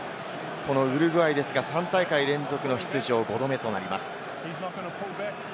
ウルグアイは３大会連続の出場、５度目となります。